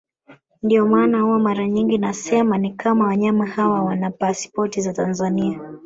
Ndio maana huwa mara nyingi nasema ni kama wanyama hawa wana pasipoti za Tanzania